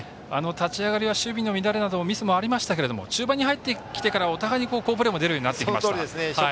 立ち上がりは守備の乱れなどミスもありましたけれども中盤に入ってきてからはお互いに好プレーも出ました。